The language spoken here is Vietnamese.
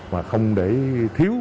mà không để thiếu